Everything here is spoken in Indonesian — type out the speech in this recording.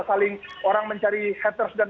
saling orang mencari haters dan